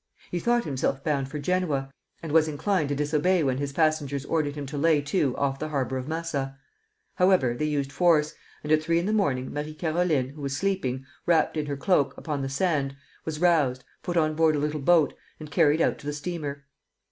He thought himself bound for Genoa, and was inclined to disobey when his passengers ordered him to lay to off the harbor of Massa. However, they used force, and at three in the morning Marie Caroline, who was sleeping, wrapped in her cloak, upon the sand, was roused, put on board a little boat, and carried out to the steamer.